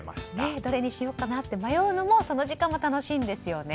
どれにしようかなと迷うその時間も楽しいんですよね。